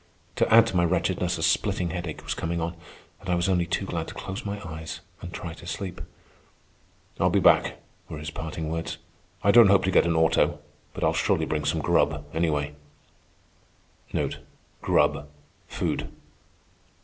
To add to my wretchedness a splitting headache was coming on, and I was only too glad to close my eyes and try to sleep. "I'll be back," were his parting words. "I don't hope to get an auto, but I'll surely bring some grub, anyway." Food.